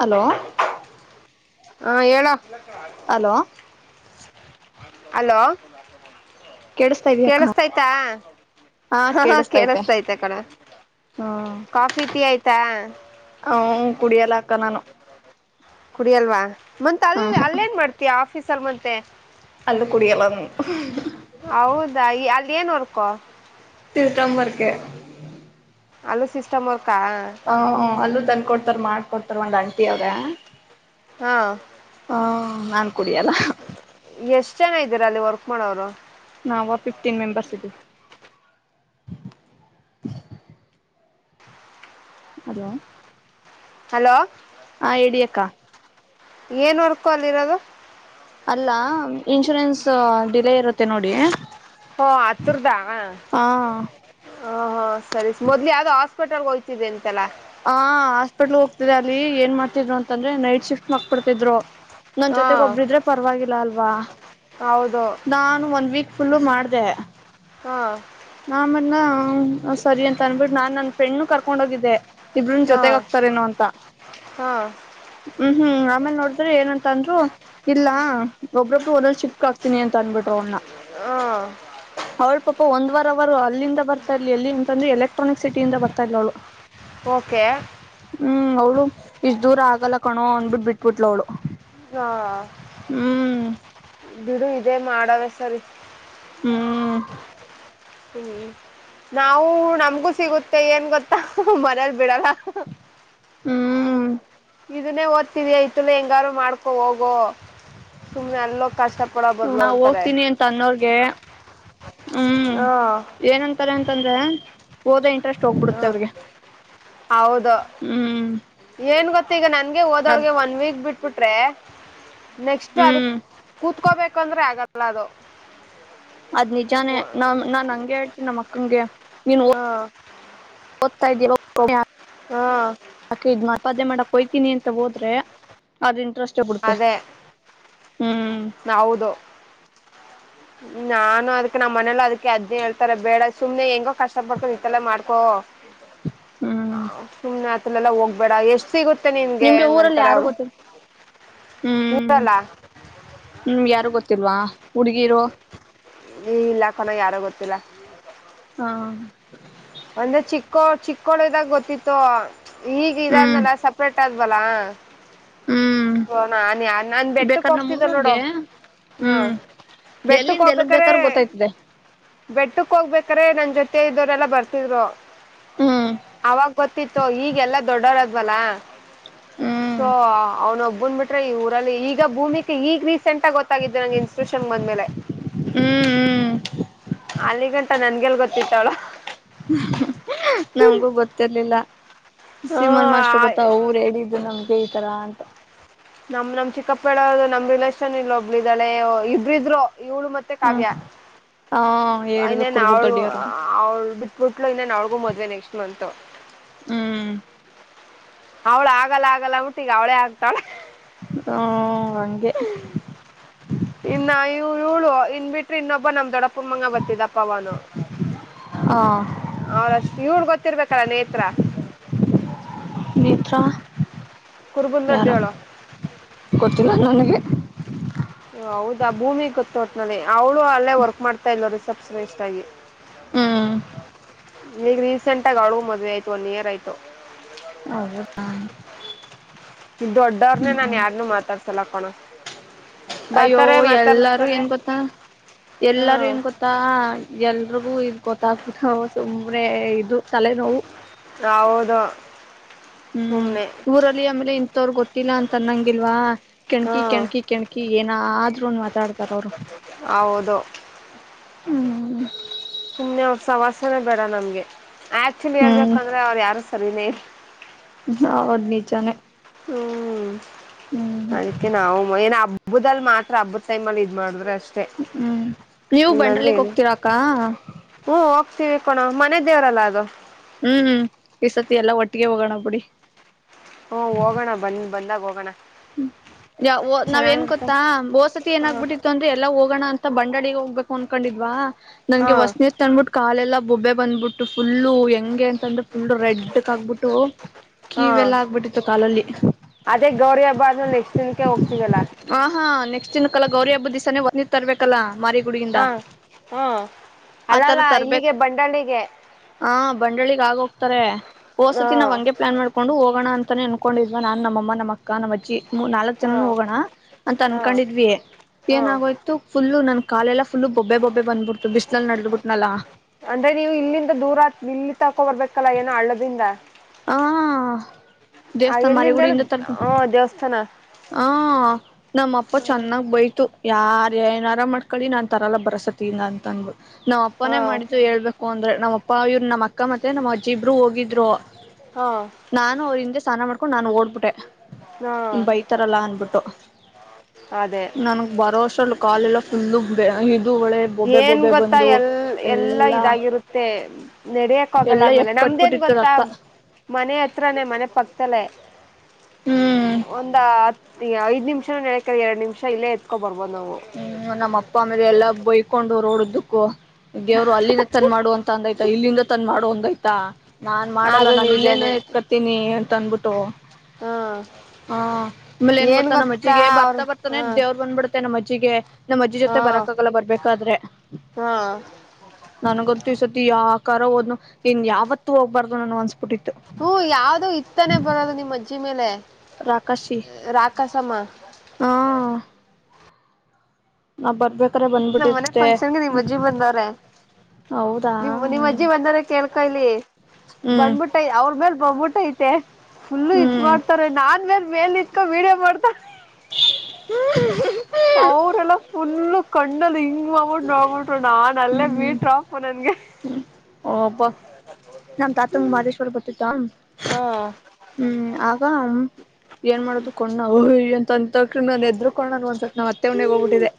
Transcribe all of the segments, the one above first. Hello ಹಾ ಹೇಳ hello hello ಲ್ಲ ಕೇಳಿಸತಾ ಇದೀ [unintelligible] ಅಕ್ಕ ಕೇಳಸ್ತಯ್ತಾ ಹಾ ಹ ಕೇಳಿಸತೈತೆ ಕೇಳಿಸತಾಯ್ತ ಅ ಕಡೆ ಹ್ಮ್ ಕಾಫಿ ಟೀ ಆಯ್ತಾ ಕುಡಿಯ ಲಖ ಕುಡಿಯಲ್ವಾ ಮತ್ ಹ ಅಲ್ಲಿ ಅಲ್ಲೇನ್ ಮಾಡ್ತೀಯ ಆಫೀಸ್ ಸಲ್ಮಂತೆ ಅಲ್ಲ ಕುಡಿಯಲ್ಲ ಹೌದಾ ಅಲ್ಲಿ ಏನುೋರ್ಕೊ ತಿರುತಂಬರ್ಕ್ಕೆ ಅಲೂ ಸಿಸ್ಟಮರ್ ಹ ಅಲೂ ನ್ ಕೊಡ್ತಾರ ಮಾಡ್ಕೊಡ್ತಾರ ಒಂಗ ಆಂಟಿ ಅವ್ರ ಹಾ ಹ್ಮ ಕುಡಿಯಲ್ಲ ಚೆನ್ನಾಗಿದ್ದೀರ ಅಲ್ಲಿ ವರ್ಕ್ ಮಾಡೋರು ನಾವು ಫಿಫ್ಟೀನ್ ಮೆಂಬರ್ಸ್ ಇದವಿ ಹಲೋ ಹಲೋ ಹಾ ಎಡಿಯಕ್ಕಾ ಏನ್ ವರ್ಕು ಅಲ್ಲಿರೋದು ಅಲ್ಲ ಇನ್ಶೂರೆನ್ಸ್ ಡಿಲೇ ಇರುತ್ತೆ ನೋಡಿ ಹೋ ಹತ್ತರ್ದ ಹಾ ಹ ಹ ಸರಿ ಮೊದ್ಲಿ ಯಾವ್ದೋ ಹಾಸ್ಪಟಲ್ ಹೋಗ್ತಿದೆ ಎಂತೆಲ್ಲ ಹ ಹಾಸ್ಪಿಟ್ಲ್ ಹೋಗ್ತಿದೆ ಅಲ್ಲಿ ಏನ್ ಮಾಡ್ತಿದ್ರು ಅಂತಂದ್ರೆ ನೈಟ್ ಶಿಫ್ಟ್ ಮಾಡಬೊಡ್ತಿದ್ರು ನನ್ ಹಾ ಜೊತೆಗ ಒಬ್ರಿದ್ರೆ ಪರವಾಗಿಲ್ಲ ಅಲ್ವಾ ಹೌದು ನಾನು ಒನ್ ವೀಕ್ ಫುಲ್ಲು ಮಾಡ್ದ ಹಾ ನನ್ನ ಸರಿ ಅಂತ ಅನ್ಬಿಟ್ಟು ನಾನ್ ನನ್ ಫ್ರೆಂಡ್ ಕರ್ಕೊಂಡ ಹೋಗಿದ್ದೆ ಇಬ್ರನ್ ಹಾ ಜೊತೆಗ ಹಕ್ತಾರೇನೋ ಅಂತ ಹಾ ಹ್ಮ್ ಹ್ಮ್ ಆಮೇಲ್ ನೋಡಿದ್ರೆ ಏನಂತ ಅಂದ್ರು ಇಲ್ಲಾ ಒಬ್ಬ್ರೊಬ್ರು ಒಂದೊ ಶಿಫ್ಟ್ ಹಾಕ್ತಿನಿ ಅನ್ಬಿಟ್ರರು ಅವನ ಹ್ಮ ಪಾಪ ಒಂದು ವಾರ ಅವರು ಅಲ್ಲಿಂದ ಬರ್ತಾ ಇರ್ಲಿ ಎಲ್ಲಿ ಅಂತಂದ್ರೆ ಎಲೆಕ್ಟ್ರಾನಿಕ್ ಸಿಟಿಯಿಂದ ಬರ್ತಾ ಇಲವಳು ಓಕೆ ಅವ್ಳು ಇಷ್ಟ್ ದೂರ ಆಗಲ್ಲ ಕಣೋ ಅಂದ್ಬಿಟ್ಟ ಬಿಟ್ಬಿಟ್ಲೋಡು ಹಾ ಬಿಡು ಇದೇ ಮಾಡವೆ ಸರಿ ಹ್ಮ್ ಹ್ಮ್ ನಾವು ನಮ್ಗೂ ಸಿಗುತ್ತೆ ಏನ್ ಗೊತ್ತಾ ಮನೇಲಿ ಬಿಡಲ್ಲ ಹ್ಮ್ ಇದನ್ನೇ ಓದ್ತಿದಯತಲ ಹೆಂಗಾರು ಮಾಡ್ಕೊ ಹೋಗೋ ಸುಮ್ಮ್ನೆ ಎಲ್ಲೋ ಕಷ್ಟ ಪಡೋ ಬದ್ಲು ನಾ್ ಅಂತಾರೆ ಹೋಗ್ತೀನಿ ಅಂತ ಅನ್ನೋರ್ಗೆ ಎ ಹಾ ತಂದ್ರೆ ಹೋದ ಇಂಟರೆಸ್ಟ್ ಹೋಗ್ಬಿಡುತ್ತೆ ಅವ್ರಿಗೆ ಹೌದ ಹ್ಮ್ ಏನ್ ಗತ್ತ ಈಗ ನಂತ ಅದ್ ಹೋದೊಳಗೆ ಒನ್ ವೀಕ್ ಬಿಟ್ಟು ಬಿಟ್ರೆ ನೆಕ್ಸ್ಟ್ ಅದ ಹ್ಮ್ ಕೂತ್ಕೋಬೇಕುಂದ್ರೆ ಆಗ ಅಲದು ಅದ್ ನಿಜಾನೇ ನಾ ನಾನ್ ಹಂಗೆ ಹೇಳ್ತೀನಿ ನಮ್ಮ ಅಕ್ಕಂಗೆ ನೀನ್ ಹಾ [inaudible] ತಾ ಹಾ ಇದ ಮಾಡ ಕೊ ಅಂತ ಹೋದ್ರೆ ಅ ಇಷ್ಟಪಡತ್ತೆ ನೌದು ನಾನು ಅದ್ ನಮ್ಮ ಮನೇಲ್ಲ ಅದಕ್ಕೆ ಅದ್ನೇ ಹೇಳ್ತಾರೆ ಬೇಡ ಸುಮ್ನೆ ಹೆಂಗೋ ಕಷ್ಟ ಪಡ್ಕೊಂಡ ಇತ್ತಲ್ಲ ಮಾಡ್ಕೊ ಹ್ಮ್ ಸೋಮನಾಥ ಲ್ಲ ಹೋಗ್ಬೇಡ ಎಷ್ಟು ಸಿಗುತ್ತೆ ಮತ್ತೆ ನಿನ್್ಗೆ ನಿಮ್ಗೆ ಊರಲ್ಲಿ ಹಂಗಂತಾರ ಯಾರು ಅವರು ಗೊತ್ತಿಲ್ಲ ಹ್ಮ್ ಊರಲ್ಲ ಹ್ಮ್ ಯಾರು ಗೊತ್ತಿಲ್ವಾ ಹುಡ್ಗಿರು ಈ ಇಲ್ಲಾಖನ ಯಾರೋ ಗೊತ್ತಿಲ್ಲ ಹಾ ಒಂದ್ರೆ ಚಿಕ್ಕೋ ಚಿಕ್ಕಳದಾಗ ಗೊತ್ತಿತ್ತು ಈಗ ಹ್ಮ್ ಇದಂದಲ್ಲ ಸಪ್ರೇಟ್ ಆದ ಲಾ ಹ್ಮ್ ಹಓ ನನ್ ಯ ನಾನ್ ಬೆಟ್ಟಕ್ ಬೇಕಾದ್ರೆ ಹೋಗ್ತಿದ್ದ ನೋಡೋ ನಮ್ಮೂರವ್ರಿಗೆ ಹಾ ಹ್ಮ್ ಬೆಟ್ಟಕ್ ಎಲ್ಲಿಂದ ಎಲ್ಗ್ ಹೋಗ್ಬೇಕ್ರೆ ಬೇಕಾದ್ರೂ ಗೊತ್ತಾಯ್ತದೆ ಬೆಟ್ಟಕ್ ಹೋಗ್ಬೇಕ್ರೆ ನ ಜೊತೆ ಇದ್ದವರೆಲ್ಲಾ ಬರ್ತಿದ್ರು ಹ್ಮ್ ಅವಾಗ ಗೊತ್ತಿತ್ತು ಈಗೆಲ್ಲಾ ದೊಡ್ಡವರಾದ ಬಲ ಹ್ಮ್ ಹ ಅನು ಬಂದ್ ಬಿಟ್ರೆ ಈ ಊರಲ್ಲಿ ಈಗ ಭೂಮಿಿಗೆ ಈಗ ರೀಸೆಂಟ್ಟಗಿ ಗೊತ್ತಾಗಿದ್ದೆ ನಂಗೆ ಇನ್ಟಿಟ್ಯೂಷನ್ ಬಂದ್ಮೇಲೆ ಹ್ಮ್ ಹ್ಮ್ ಅಲಿಗಡ್ ನಮಗೂ ಗೊತ್ತಿರ್ಲಿಲ್ಲ ಹ ಸಿಮನ್ ಮಾಸ್ರ್ ಗೊತ್ತಾ ಊರ್ ಹೇಳಿದ್ದು ನಮ್ದಗೆ ಕೇ ತರ ಅಂತ ನಮ್ ನಮ್ ಚಿಕ್ಕಪ್ಪಳ್ಳ ಅವರು ನಮ್ ರಿಲೇೇಶನ್ ಇಲ್ ಒಬ್ಬಳಿದ್ದಾಳೆ ಇಬ್್ರಿದ್ರು ಇವಳು ಮತ್ತೆ ಹ ಕಾವ್ಯ ಹ ಹೇಳುದು ಇನ್ನೇನ್ ಕುರ್ಗುರ್ ಅವಳು ದೊಡ್ಡಿಯವರು ಅಂತ ಅವ್ಳ ಬಿಟ್ಬಿಟ್ಲು ಇನ್ನೇನ್ ಅವಳ್ಗೂ ಮದ್ವೆ ನೆಕ್ಸ್ಟ್ ಮಂತು ಹ್ಮ್ ಅವಳ ಆಗಲ್ಲ ಆಗಲ್ಲ ಊಟಿಗೆ ಅವಳೇ ಆಗ್ತಾಳ ಹ ಅಂಗೆ ೀಳು ಇನ್ ಬಿಟ್ರ ಇನ್ನೊಬ್ ನಮ್ದ ದೊಡ ಕುಮ್ಮಂಗ ಬತ್ತಿದಪ್ಪ ಅವನು ಹ ಅವರಷ್ಟ ಇವಡ್ ಗೊತ್ತಿರ್ಬೇಕಲ್ಲ ನೇತ್ರ ತ್ರ ಕುರ್ಬುಂದ ಅಡ್ಡಾಳಾ ಕೊಡ್ತನ ನನಗೆ ಹೌದಾ ಭೂಮಿ ಗೊತ್ತೋಟ್ನಲ್ಲಿ ಅವಳು ಅಲ್ಲೇ ವರ್ಕ್ ಮಾಡ್ತಾ ಇಲ್ವ ರ ಸಬ್ಸ ಇಷ್ಟ ಆಾಗಿ ಹ್ಮ್ ಈಗ ರೀಸೆಂಟ್ ಆಗ ಅಳಗ ಮದ್ವೆ ಆಯ್ತು ಒನ್ ಇಯರ್ ಆಯ್ತು ಹೌ ಇದ ದಡ್ಡವ್ರನೆ ನಾನ್ ಯಾರ್ನುೂ ಮಾತಾಡ್ಸಲ್ಲಾಕೋಣ ಹ ಅಯ್ಯೋ ಎಲ್ಲಾರೂ ಏನ್ ಗೊತ್ತ ಎಲ್ಲಾರು ಹ್ಮ್ ಏನ್ ಗೊತ್ತ ಎಲ್ ಅ್ರಗೂ ಇ ಗೊತ್ತಾಗ್ಬಿತ ಸುಂಬನೆ ಇದು ತಲೆನೋವು ಹೌದು ಹ್ಮ್ ಸುಮ್ನೆ ಊರಲ್ಲಿ ಆಮೇಲೆ ಇಂಥವರ್ ಗೊತ್ತಿಲ್ಲ ಅಂತ ಅನ್ನಂಗಿಲ್ವಾ ಕೆಣಕಿ ಹ್ಮ್ ಕೆಣಕಿ ಕೆ್ಕಿ ಏನ್ ನ ಆದ್ರೂ ಒನ್ ಮಾತಾಡ್ತಾರ ಅವ್ರು ಹೌದು ಹ್ಮ ಸುಮ್ಮ್ನೆ ವರ್ಷ ವಾಸನೇ ಬೇರ ನಮ್ಗೆ ಆಕ್ಚುಲಿ ಹೇಳ್ಬೇಕಂದ್ರೆ ಅವ್ರು ಯಾರು ಅರಿನೇ ಹ ಅವದ ನೀಚಾನೆ ಹ್ಮ್ ಹ್ಮ ಅದಕ್ಕೆ ನಾವು ಏನ ಹಬ್ಬದಲ್ ಮಾತ್ರ ಹಬ್ಬದ ಟೈಮಲ್ಲಿ ಇದ್ ಮಾಡಿದ್ರೆ ಅಷ್ಟ ಹ್ಮ್ ನೀವ ಬಂಡ್ರಲಿಕ್ ಹೋಗ್ತೀರಾಕ್ಕ ತಿಿವಿಕೋಣ ಮನೆ ದೇವ್ರಲ್ಲ ಅದು ಹ್ಮ್ ಹ್ಮ್ ಈ ಸತಿ ಎಲ್ಲ ಒಟ್ಟಿಗೆ ಹೋಗೋಣ ಬೀಡಿ ಹಓ ಹೋಗೋಣ ಬಂದ ಬಂದಾಗ ಹೋಗೋಣ ಹ್ಮ ಯಾವ ನಾವ್ ಏನ್ ಚೆನ್ನಾಗಿರುತ್ತೆ ಗೊತ್ತಾ ಬೋಸತಿ ಹ ಏನಾಗಬಿಟ್ಟಿತ್ತು ಅಂದ್ರೆ ಎಲ್ಲಾ ಹೋಗೋಣ ಅಂತ ಮ ಬಂಡಾಳಿಗೆ ಹೋಗ್ಬೇಕು ಅನ್ಕೊಂಡಿದ್ವಾ ಹಾ ನಂಗೆ ವಸ್ನತ್ ಅ್ಬಿಟ್ಟು ಕಾಲೆಲ್ಲ ಬೊಬ್ಬೆ ಬಂದಬಿಟ್ಟು ಫುಲ್ಲು ಹೆಂಗೆ ಅಂತಂದ್ರೆ ಫುಲ್ ರೆಡ್ಕ್ ಆಗ್ಬಿಟ್ಟು ಹಾ ಕೀಿವ ಎಲ್ಲ ಆಗ್ಬಿಟ್ಟಿತ್ತು ಕಾಲಲ್ಲಿ ಅದೇ ಗೌರಿ ಹಬ್ಬ ಆದ್ಮೇಲೆ ನೆಕ್ಸ್ಟ್ ದಿನಕ್ಕೆ ಹೋಗ್ತೀವಲ್ಲ ಹ ಹಾ ನೆಕ್ಸ್ಟ್ ದಿನ ಕಲ್ಲ ಗೌರಿ ಹಬ್ಬದ ತರ್ಬೇಕಲ್ಲಾ ಹಾ ಹ್ಮ ಆತರ ಅಲ್ಲಲ್ಲ ಇಲ್ಲಿಗೆ ಬಂಡಳಿಗೆ ಬಂಡಳಿಗ ಆಗ ಹೋಗ್ತಾರೆ ಓಸತಿ ನಾ್ಂಗೆ ಪ್ಲಾನ್ ಮಾಡಕೊಂಡು ಹೋಗೋಣ ಅಂತ ಅನ್ಕೊಂಡಿದ್ ನಾ ನಮ್ಮ ಅಮ್ಮ ಅಕ್ಕ ಕಾಣವಚ್ಚಿ ನಾಲ್ಕ್ ಹಾ ಜನ ಹೋಗೋಣ ಅಂತ ಹಾ ಅನ್ಕೊಂಡಿದ್ವಿ ಹಾ ಏನ ಆಾಗೋಯ್ತು ಫುಲ್ಲ ನನ್ ಕಾಲೆಲ್ಲ ಫು ಬೊಬ್ಬ ಬೊಬ್ಬ ಬಂದಬಿಡ್ಟ್ಟು ಬಿಸಿಲ ನಡದಬಿಟ್ಟುನಲ್ಲ ಅಂದ್ರೆ ನೀವು ಇಲ್ಲಿಂದ ದೂರ ಇಲ್ಲಿ ತಕೊ ಬರ್ಬೇಕಲ್ಲ ಏನೋ ಹಳ್ಳದಿಂದ ಹ ದೇವಸ್ಥಾನ ಎಲ್ಲಿಂದ ಮಾರಿಗೂಡ ಹೇಳ ಇಿಂದ ತರ್ಪ ಹ ದೇವಸ್ಥಾನ ಹ ನಮ್ಮ ಅಪ್ಪ ಚೆನ್ನಾಗ್ ಬೈತು ಯಾರ ಏನಾರ ಮಾಡ್ಕೊಳ್ಳಿ ನಾನ್ ತರಲ್ಲ ಬರಸತ್ತ ಅಂತ ಅಂದಬು ನಾವ್ ಹಾ ಅಪ್ಪನೇ ಹಾ ಮಾಡಿದ್ದು ಹೇಳ್ಬೇಕು ಪ್ಪ ಅಂದ್ರೆ ನಮ್ಮಪ್ಪ ಇವರು ನಮ್ಮ ಅಕ್ಕ ಮತ್ತೆ ನಮ್ಮ ಅಜ್ಜಿ ಇಬ್ರು ಹೋಗಿದ್ರು ಹಾ ನಾನು ಅವ್ರ ಹಿಂದೆ ಸ್ನಾನ ಮಾಡ್ ು ನು ಓಡ್ಬಿಟ್ಟೆ ಹಾ ನಿ ಬೈತಾರಲ್ಲಾ ಅನ್ಬಿಟ್ಟು ಅದೇ ನನ್ಗ್ ಬರೋ ವರ್ಷಲ್ ಕಾಲೆಲ್ಲ ಫುಲ್ಲ ಏನ್ ಗೊತ್ತಾ ಎಲ್ ಎಲ್ಲಾ ಇದಾಗಿರುತ್ತೆ ನಡೆಯಕ್ ಆೋಗಲ್ಲ ಎಲ್ಲಾ ಆಮೇಲೆ ಎಪ್ ನಮ್ದೇನ್ ಕಟ್ಬಿಟ್ಟಿತ್ತು ಗೊತ್ತಾ ರಕ್ತ ಮನೆ ಎತ್ರಾನೇ ಮನೆ ಪಕ್ತಲೆೇ ಹ್ಮ್ ಒಂದ ಹತ್ತು ಈಗಐದ್ ನಿಮಿಷ ನೆಕೆ ಎರಡ್ ನಿಮಿ ಇಲ್ಲ ಎತ್ಕೊಬು ಹ್ಮ್ ನಮ್ಮ ಅಪ್ಪ ಅಮೇಲೆ ಎಲ್ಲಾ ಬಯ ಕಕೊಂಡು ರೋಡ್ದಕ್ಕೂ ಗೆವ್ರು ಅಲ್ಲಿನ ತನ್ ಮಾಡುವಂತ ಅಂದ ಇಲ್ಲಿಂದ ತಂದ ಮಾಡ ಒಂದಯ್ತಾ ನಾನ್ ಮಾಡಲ್ಲ ಅದು ನಾನು ಇಲ್ಲೇನು ನಿಜಾನೇ ಇಕತೀನಿ ಭುತನ್ ಬುಟೋ ಹಾ ಹ ಆಮೇಲೆ ಏನ್ ಗೊತ್ತಾ ನಮ್ಮಜ್ಜಿಗೆ ಬರ್ತಾ ಬರ್ತಾನೆ ದೇವ್ರು ಬಂದ್ಬಿಡ್ತ ತ ಮ ಚಗ ನಮ್ಮ್ ಅಜ್ಜಿ ಜೊತೆ ಹಾ ಬರಕ್ಕಾಗಲ್ಲ ಬರ್ಬೇಕಾದ್ರೆ ಹಾ ನನ್ ಗೊತ್ತು ಈ ಸತಿ ಯಾಕ ಕೋದ್ನು ಇಂಗನ್ ಯಾವತ್ತು ಹೋಗ್ಬಾರ್ದು ನನ್ನ ಒಂದ ಹ್ಮ ಯಾವ್ದೂ ಇತ್ತಾನೆ ಬರದು ನಿಮ್ಮ್ ಅಜ್ಜಿ ಮೇಲೆ ರಾಕಾಶಿ ರಾಕಸಮ್ಮ ಹಾ ನಾವ್ ಬರ್ಬೇಕ ನಮ್ಮ್ ಮನೆ ಫಂಕ್ಷನ್ಗೆ ನಿಮ್ಮ್ ಅಜ್ಜಿ ಬಂದವ್ರ ಹೌದಾ ನಿ ನಿಮ್ಮ ಅಜ್ಜಿ ಬಂದ್ರ ಕೇಳ್ಕ ಇಲ್ಲಿ ಹ್ಮ್ ಬಂದ್ಬಿಟ್ಟ ಅವ್ರ ಮೇಲ್ ಬಂದ್ಬಿಟ್ಟ ಐತೆ ುಲ್ಲು ಇದ್ ಹ್ಮ್ ಹ್ಮ್ ಮಾಡ್ತಾರೆ ನಾನ್ ಮೇ ಮೇಲೆ ವೀಡಿಯೋ ಮಾಡ್ತಾ ಅವರೆಲ್ಲ ಫುಲ್ಲು ಕಣ್ಣಲಿ ಹಿಂಗ್ ನೋಡ್ಬಿಟ್ಟು ನೋಡ್ಬಿಟ್ಟು ನಾ ಅಲ್ಲೇ ಹ್ಮ್ ಮೀಟರಾಪು ನನ್ಗೆ ಒಬ್ಬ ನಮ್ ತಾತಂಗ ಮಾದೇಶ್ವರ್ ಬತ್ತಿತ್ತ ಹಾ ಹ್ಮ್ ಆಗ ಏನ್ ಮಾಡದು ಕಣಾವು ಎಂತ ಡಾಕ್ಟರ್ ಗ ನಾನ್ ಎದ್ರಕೊಂಡ ನಮ್ಮತ್ತೆ ಮನೆಗ್ ಹೋಗ್ಬಿಟ್ಟಿದೆ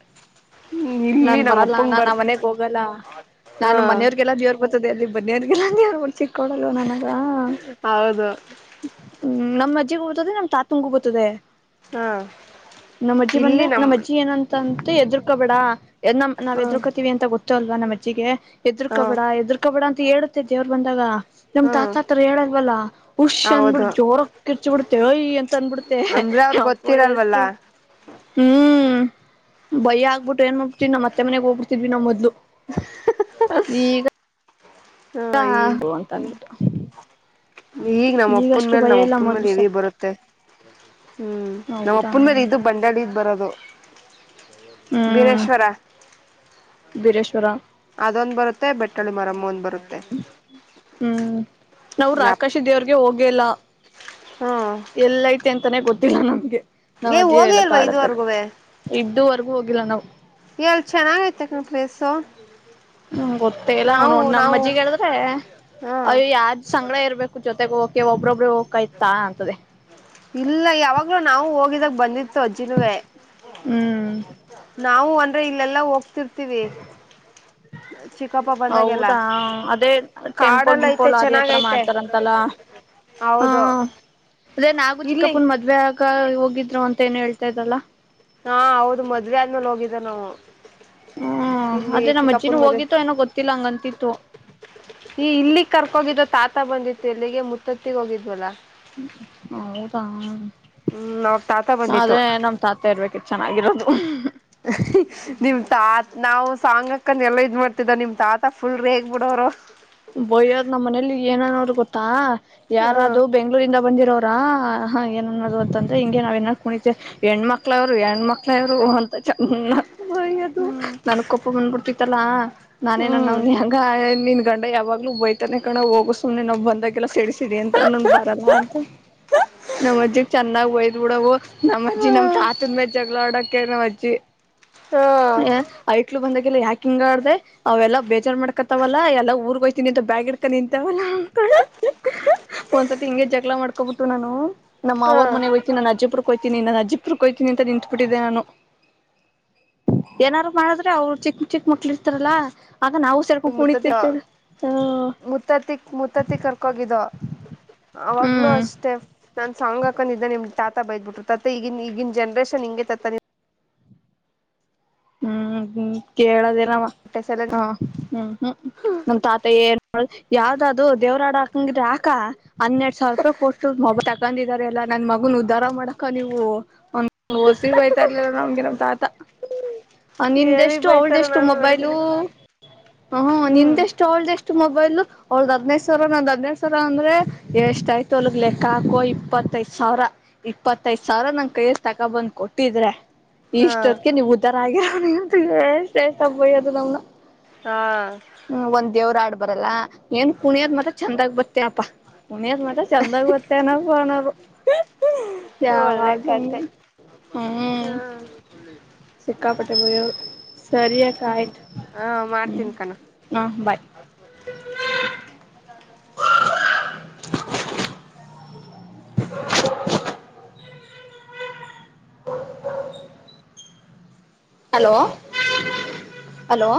ಹ್ಮ್ ಇಲ್ಲಿ ನಾನ್ ನಮ್ಮ ಬರಲ್ಲ ಅಪ್ಪಂಗ್ ನಾನ್ ಬರ್ ಆ ಮನೆಗ್ ಹೋಗಲ್ಲ ಹಾ ನಾನು ಮನೆಯವ್ರಗೆಲ್ಲಾ ದೇವರ್ ಬತ್ತದೆ ಅಲ್ಲಿ ಬನಿಯನ್ ಗಿನಿಯನ್ ಎಲ್ಲಾ ಉಚ್ಚಿ ಕೊಡಲ್ವ ನನಗ ಹೌದು ನಮ್ಮ ಅಜ್ಜಿಗೂ ಬತ್ತದೆ ನಮ್ ತಾತುಂಗು ಬತ್ತದೆ ಹಾ ನಮ್ಮ ಅಜ್ಜಿ ಬಂದ್ರೆ ಇಲ್ಲಿ ನಮ್ ನಮ್ಮ ಅಜ್ಜಿ ಏನಂತ ಅಂತೂ ಎದರು ಹೆದ್ರುಕೋಬೇಡ ನಾವ ಹ್ಮ ಎದ್ರಕೋತೀವಿ ಅಂತ ಗೊತ್ತ ಅವ್ರ್ಗೆ ನಾ ನಮ್ಮಜ್ಜಿಗೆ ಹಾ ಹೇದುರ್ಕೊಬೇಡ ಹೇದುರ್ಕೊಬೇಡ ಹೇಳುತ್ತೆ ದೇವ್ರ ಬಂದಾಗ ನಮ ಹ್ಮ್ ತಾತಾ ಆ ಥರ ಹೇಳಲ್ವಲ್ಲಾ ಹುಷ್ ಹೌದು ಅಂದಬಿಟ್ ಜೋರಾಗ್ ಕಿರ್ಚ್ ಬಿಡುತ್ತೆ ಓಯ್ ಅಂತ ಅಂಬಿಡುತ್ತೆ ಅಂದ್ರೆ ಅವ್ರ ಎಪ್ಪ ಗೊತ್ತಿರಲ್ವಲ್ಲ ಎಷ್ಟು ಹ್ಮ್ ಬಯ ಆಗ್ಬಿಟ್ರೆ ಏನು ನಮ್ಮತ್ತೆ ಮನೆಗ್ ಹೋಗ್ಬಿಡ್ತಿದ್ವಿ ನಾವ್ ಮೊದಲು ಈಗ ಹಾ ಹ ಈ ಹ ಅಂತ ಅನ್ಬಿಟ್ಟು ಈಗ ನಮ್ಮ ಅಪ್ಪನ್ ಈಗಷ್ಟು ಮೇಲೆ ಭಯ ನಮ್ಮ ಇಲ್ಲ ಅಪ್ಪನ್ ಮೇಲೆ ಮೊದ್ಲು ಸ ಹೆವಿ ಬರುತ್ತೆ ಹ್ಮ್ ನಮ್ಮ ಹೌದಾ ಅಪ್ಪನ್ ಮೇಲೆ ಇದು ಬಂದಾಡಿದ್ ಬರೋದು ಹ್ಮ್ ಬೀರೆಶ್ವರ ಬೀರೇಶ್ವರ ಅದೊಂದ ಬರುತ್ತೆ ಬೆಟ್ಟಳ್ಳಿ ಮಾರಮ್ಮ ಒಂದ ಬರುತ್ತೆ ಹ್ಮ್ ನಾವು ಯಪ್ ರಾಕಾಶಿ ದೇವ್ರಗೆ ಹೋಗ ಇಲ್ಲ ಹ್ಮ್ ಎಲ್ಲ ಐತೆ ಅಂತಾನೆ ಗೊತ್ತ ಗೊತ್ತಿಲ್ಲ ನಮ್ಗೆ ನಮ್ಮ ನೀವು ಅಜ್ಜಿ ಎಲ್ಲ ಹೊಗೆಇಲ್ವಾ ಕಾಡತ್ರ ಇದುವರೆಗುವೇ ಇದುವರೆಗೂ ಹೋಗಿಲ್ಲ ನಾವು ಎ ಅಲ್ ಚೆನ್ನಾಗೈತೆ ಪ್ಲೇಸ್ ತೊ ಹ್ಮ್ ಗೊತ್ತೇ ಇಲ್ಲ ನ್ ನೋಡ್ ನಮ್ ಅಜ್ಜಿಗೆ ಹೇಳದ್ರೆ ಹಾ ಅಯ್ಯ ಯಾವ್ದ್ ಸಂಗಡ ಇರ್ಬೇಕು ಜೊತೆಗ್ ಹೋಗ ಎ ಒಬ್ರೊಬ್ರ್ಗೆ ಬ್ಲೂಕಾಯ್ತಾ ಅಂತದೆ. ಇಲ್ಲ ಯಾವಾಗ್ಲೂ ನಾವು ಹೋಗಿದ್ದಕ್ಕೆಬಂದಿತ್ತು ಅಜ್ಜಿನುವೆ. ಹ್ಮ್. ನಾವು ಅಂದ್ರೆ ಇಲ್ಲೆಲ್ಲಾ ಹೋಗ್ತಿರ್ತೀವಿ. ಚಿಕ್ಕಪ್ಪ ಬಂದಾಗೆಲ್ಲ ಹೌದಾ ಅದೇ ಟೆಂಪೋ ಕಾಡಲ್ಲ ಗಿಂಪೋ ಐತೆ ಲಾರಿ ಹತ್ರ ಚೆನ್ನಾಗೈತೆ ಮಾಡ್ತಾರಂತಲ್ಲ ಹಾ. ಹೌದು ಅದೇ ನಾಗು ಇಲ್ಲಿ ಚಿಕ್ಕಪ್ಪನ್ ಮದ್ವೆ ಆಗ. ಹೋಗಿದ್ರು ಅಂತ ಏನೋ ಹೇಳ್ತಾ ಇದಲ್ಲಾ. ಹಾ ಹೌದು ಮದ್ವೆ ಆದ್ಮೇಲೆ ಹೋಗಿದ್ದೇ ನಾನು. ಹ್ಮ ಅದೇ ನಮ್ಮ ಅಜ್ಜಿನ ಮದ್ವೆ ಹೋಗಿ ತೋ ಏನೋ ಗೊತ್ತಿಲ್ಲ ಹಂಗಂತಿತ್ತು. ಈ ಇಲ್ಲಿಗ್ ಕರ್ಕೋಗಿದ್ ತಾತ ಬಂದಿತ್ತು ಇಲ್ಲಿಗೆ ಮುತ್ತತ್ತಿಗೆ ಹೋಗಿದ್ವಲ್ಲಾ ಹೌದಾ ಹ್ಮ್ ಅವಾಗ ತಾತ ಬಂದಿತ್ತು ಆದ್ರೆ ನಮ್ ತಾತ ಇರ್ಬೇ ಚೆನ್ನಾಗಿರೋದು ನಿಮ್ ತಾ ನಾವು ಸಾಂಗ್ ಹಾಕ್ಕೊಂಡುಎಲ್ಲ ಇದ್ ಮಾಡ್ತಿದ್ದ ನಿಮ್ ತಾತ ಫುಲ್ ರೆಗ್ ಬಿಡೋರು ಬೋಯ್ಯದ್ ನಮ್ಮ ಮನೇಲಿ ಏನ್ ಅನ್ನೋರು ಗೊತ್ತಾ ಹ್ಮ್ ಯಾರದು ಬೆಂಗಳೂರಿಂದಬಂದಿರೋ ಹ ಏನ್ ಅನ್ನೋದು ಗೊತ್ತಾತಾ ಹಿಂಗೆ ನಾವ್ ಏ ಕುಳಿತಿದ್ರೆ ಹೆಣ್ಮಕ್ಲೋರು ಹೆಣ್ಮಕ್ಳವ್ರು ಹಾ ಚೆನ್ನಾಗಿ ಬಯ್ಯೋದು ನನಗ ಕೋಪ ಬಂದುಬಿಡುತ್ತಿತ್ತಲ್ಲ ನಾನೇನು ಹ್ಮ್ ಅನ್ವಾನಿ ಹೆಂಗ ನಿನಾ ಗ ಯಾವಾಗ್ಲೂ ಬೈತನೆ ಕಣೋ ಹೋಗು ಸುಮ್ಮನೆ ಮಂದಗೆಲ್ಲ ಸಿಡಿ ಸಿಡಿ ಅಂತನಾ ನಾನ್ ಬರಲ್ಲ ಅಂದೆ ನಮ್ಮಜ್ಜಿ ಚೆನ್ನಾಗಿ ನೋಡವು ನಮ್ಮಜ್ಜಿ ನಮ್ ತಾತನ ಮೇಲೆ ಜಗಳ ಮಾಡಕ್ಕೆ ನಮ್ಮಜ್ಜಿ ಹಾ ಹಾ ಹೈಕ್ಳು ಬಂದಾಗ ಯಾಕ್ ಹಿಂಗ ಆಡ್ದೆ ಅವೆಲ್ಲ ಬೇಜಾರ ಮಾಡ್ಕೊಂತಾವಲ್ಲ ಎಲ್ಲಾ ಊರ್ಗೋಯ್ತೀನಿ ಅಂತ ಬ್ಯಾಗ್ ಹಿಡ್ಕೊಂಡು ನಿಂತಾವಲ್ಲ ಅನ್ಕಂಡು ಒಂದ್ ಸತಿ ಹಿಂಗೆ ಜಗಳ ಮಾಡ್ಕಂಬಿಟ್ಟುನಾನು ನಮ್ಮ ಹಾ ಮಾವೋರು ಮನೆಗೆ ಹೋಯ್ತೀನಿ ಅಜ್ಜಿಪುರ ನಿ ನಾನು ಅಜಿಪುರ್ಕ್ಕೆ ಹೋಗ್ತೀನಿ ಅಂತ ನಿಂತ್ ಬಿಟ್ಟಿದ್ದೆ ನಾನು. ಏನಾರು ಮಾಡದ್ರೆ ಅವ್ರು ಚಿಕ್ ಚಿಕ್ ಮಕ್ಳು ಇರ್ತಾರಲ್ಲ ಆಗ ನಾವು ಸೇರ್ಕೊಂಡ್ ಮುತ್ತತಿ ಕುಣಿತಿರ್ತೇವಿ ಮುತ್ತತಿಕ್ ಮುತ್ತತಿ ಕರ್ಕೋಗಿಧೂ ಅವಾಗ್ಲೂ ಹ್ಮ್ ಅಷ್ಟೆ ನಾನು ಸಾಂಗ್ ಹಾಕೊಂಡಿದ್ದೆ ನಿಮ್ಮ ತಾತ ಬೈದ್ಬಿಟ್ರು ತತ ಈಗಿನ ಈಗಿನ ಜನ್ರೇಷನ್ ಹಿಂಗೆ ತಾತ. ಹ್ಮ ಹ್ಮ್ ಕೇಳದೆ ಹ್ಮ್ ಹ್ಮ್ ನಮ್ ತಾತ ಏರ್ ಯಾವ್ದದು ದೇವ್ರಾಡ ಹಾಕಂಗಿದ್ರ ಕಾ ಹನ್ನೆರಡು ಸಾವಿರ ರೂಪಾಯಿ ಕೊಟ್ಟು ಮೊಬೈಲ್ ತಗಂಡ್ ತಂದಿದರೆ ಅಲ್ಲ ನನ್ ಮಗನ್ ಉದ್ದಾರ ಮಾಡಕ್ಕೆ ನೀವು ಹೋಸಿ ಬೈತಾರಲ ನಮಗೆ ನಮ್ ತಾ ಹೆವಿ ನಿಂದೆಷ್ಟು ಅವಳ್ದ ಬೈತಾರ ಎಷ್ಟು ನಾನು ಮೊಬೈಲು ನೋಡಿದ್ದೀನಿ ಹ ಹ್ಮ್ ನಿಂದೆಷ್ಟು ಅವಳ್ದ ಎಷ್ಟು. ಎಷ್ಟು ಮೊಬೈಲ್ ಅವ್ರದ ಹದ್ನೈದು ಸಾವರ ನಂದ್ ಹದ್ೈದು ಸಾವಿರ ಅಂದ್ರೆ ಎಷ್ಟ ಆಯ್ತು ಒಲ್ಗ್ ಲೆಕ್ಕ ಹಾಕೋ ಇಪ್ಪತ್ತೈ್ ಸಾವಿರ ಇಪ್ಪತ್ತೈ್ ಸಾವಿರ ನನ್ ಕೈಯಸ್ ತಗೊ ಬಂದ್ ಕೊಟ್ಟಿದ್ರೆ. ಹಾ ಇಷ್ಟತ್ಕ್ಕೆ ನೀವು. ಎಷ್ಟ ಅಬ್ದು ತಮ್ಮನ. ಹಾ ಹ್ಮ್ ಒಂದೇವರು ಆಡ್ಬ. ಬರಲ್ಲಾ. ಏನ್ ಕುಣಿಯದ್ ಮತ ಚಂದಾಗ ಬತೇಪ್ಪಾ ಕುಣಿಯದ್ ಮತ್ರ ಚಂದಾಗ ಬತ್ತೇನಪ್ಪನರು ಒಳ್ಳೆ ಯಾವಾಗ ಕತೆ ಹ್ಮ. ಹಾ ಸಿಕ್ಕಾಪಟ್ಟೆ ಗಯರು. ಸರಿಯಕ ಆಯ್ತು ಹಾ ಹ ಮಾಡ್ತೀನಿ ಕಣೋ ಹಾ ಬಾಯ್. ಹ [inaudible] [inaudible] [inaudible] ಹೌ ಹ. Hello hello.